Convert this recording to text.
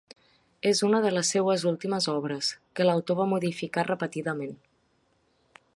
És una de les seues últimes obres, que l'autor va modificar repetidament.